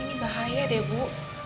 ini bahaya deh bu